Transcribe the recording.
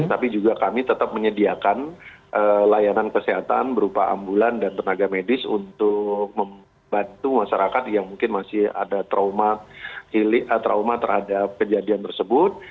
tapi juga kami tetap menyediakan layanan kesehatan berupa ambulan dan tenaga medis untuk membantu masyarakat yang mungkin masih ada trauma terhadap kejadian tersebut